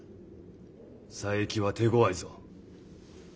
佐伯は手ごわいぞ。